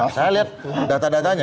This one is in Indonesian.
saya lihat data datanya